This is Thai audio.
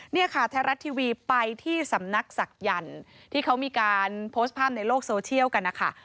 เนี่ยค่ะไทยรัฐทีวีไปที่สำนักศักยันต์ที่เขามีการโพสต์ภาพในโลกโซเชียลกันนะคะ